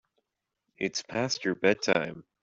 It's past your bedtime.